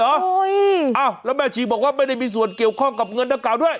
อ้าวแล้วแม่ชีบอกว่าไม่ได้มีส่วนเกี่ยวข้องกับเงินดังกล่าวด้วย